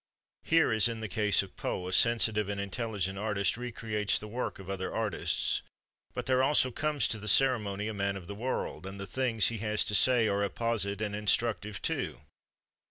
Here, as in the case of Poe, a sensitive and intelligent artist recreates the work of other artists, but there also comes to the ceremony a man of the world, and the things he has to say are apposite and instructive too.